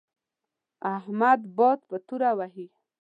احمد باد په توره وهي.